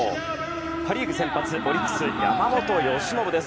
パ・リーグ先発オリックスの山本由伸です。